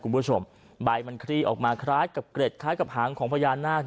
คุณผู้ชมใบมันคลี่ออกมาคล้ายกับเกร็ดคล้ายกับหางของพญานาค